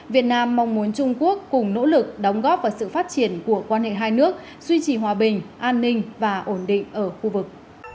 việt nam mong muốn trung quốc cùng nỗ lực đóng góp vào sự phát triển của quan hệ hai nước duy trì hòa bình an ninh và ổn định ở khu vực